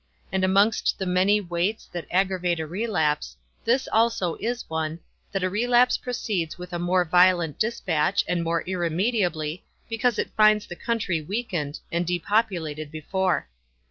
And amongst the many weights that aggravate a relapse, this also is one, that a relapse proceeds with a more violent dispatch, and more irremediably, because it finds the country weakened, and depopulated before.